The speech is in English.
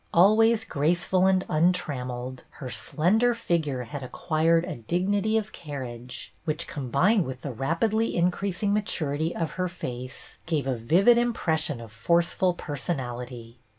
Al ways graceful and untrammelled, her slender figure had acquired a dignity of car riage which, combined with the rapidly in creasing maturity of her face, gave a vivid impression of forceful personality.